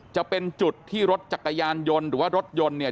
จะเป็นจุดที่รถจักรยานยนต์หรือว่ารถยนต์เนี่ย